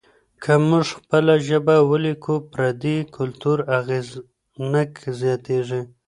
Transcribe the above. که موږ خپله ژبه ولیکو، پردي کلتور اغېز نه زیاتیږي.